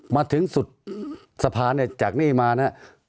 มาถึงสุดสะพานเนี่ยจากนี้มานะครับ